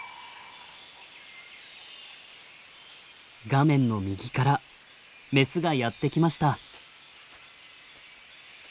画面の右からメスがやって来ました。